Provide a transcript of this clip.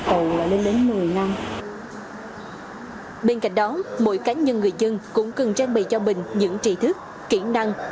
kiện năng vốn năng boules vận hành để giải đáp mối quan hệ tù của chúng ta